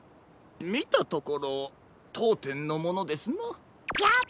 みたところとうてんのものですな。